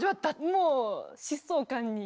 もう疾走感に。